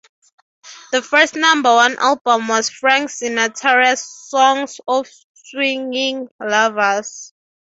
The first number one album was Frank Sinatra's "Songs for Swingin' Lovers".